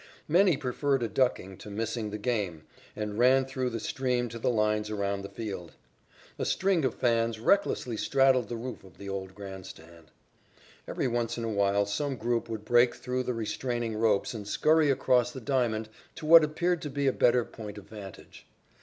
Many preferred a ducking to missing the game and ran through the stream to the lines around the field. A string of fans recklessly straddled the roof of the old grand stand. Every once in a while some group would break through the restraining ropes and scurry across the diamond to what appeared to be a better point of vantage.